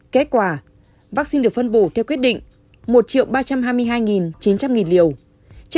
kết quả vaccine được phân bổ theo quyết định một ba trăm hai mươi hai chín trăm linh liều trên một chín trăm sáu mươi sáu chín trăm ba mươi hai liều